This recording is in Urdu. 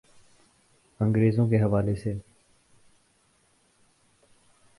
انگریزوں کے حوالے سے۔